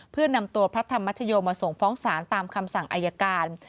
เพื่อนำตัวพระธรรมชโยมาส่งฟ้องศาลตามคำสั่งอายการ